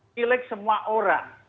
pilih semua orang